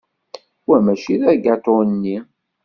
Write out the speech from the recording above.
Wa mačči d agatu-nni.